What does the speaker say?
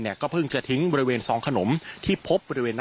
และก็คือว่าถึงแม้วันนี้จะพบรอยเท้าเสียแป้งจริงไหม